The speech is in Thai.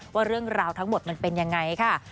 ว่าเรื่องราวทั้งหมดมันเป็นยังไงค่ะ